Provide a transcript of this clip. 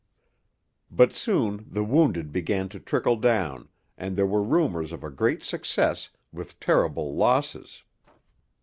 But soon the wounded began to trickle down, and there were rumours of a great success with terrible losses.